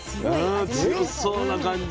うん強そうな感じ。